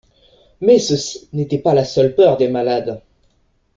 Mais ceci n'était pas la seule peur des malades.